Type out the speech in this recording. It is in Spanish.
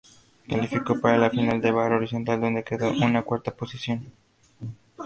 Calificó para la final de barra horizontal donde quedó en cuarta posición.